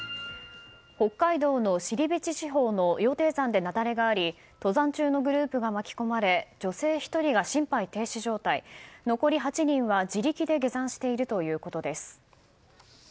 北海道の後志地方の羊蹄山で雪崩があり登山中のグループが巻き込まれ女性１人が心肺停止状態残り８人は自力で下山しているということです。